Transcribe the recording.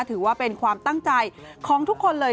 ถือว่าเป็นความตั้งใจของทุกคนเลย